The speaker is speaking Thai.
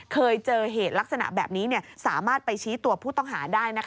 เคยเจอเหตุลักษณะแบบนี้สามารถไปชี้ตัวผู้ต้องหาได้